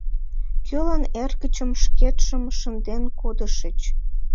Кӧлан эргычым шкетшым шынден кодышыч?